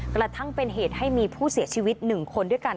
กระทั่งเป็นเหตุให้มีผู้เสียชีวิต๑คนด้วยกัน